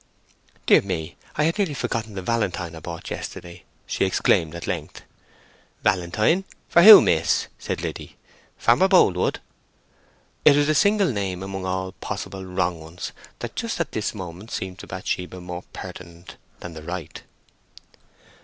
"Dear me—I had nearly forgotten the valentine I bought yesterday," she exclaimed at length. "Valentine! who for, miss?" said Liddy. "Farmer Boldwood?" It was the single name among all possible wrong ones that just at this moment seemed to Bathsheba more pertinent than the right.